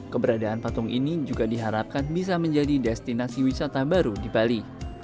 keberadaan patung ini juga diharapkan bisa menjadi destinasi wisata baru di bali